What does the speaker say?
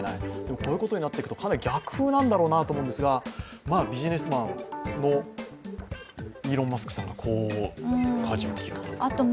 こういうことになっていくと、逆風なんだろうなと思うんですがビジネスマンのイーロン・マスクさんこうきたかと。